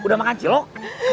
udah makan cilok